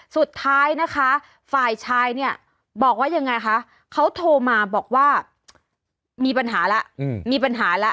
สุดท้ายนะคะฝ่ายชายเนี่ยบอกว่ายังไงคะเขาโทรมาบอกว่ามีปัญหาแล้วมีปัญหาแล้ว